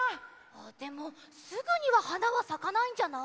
でもすぐにははなはさかないんじゃない？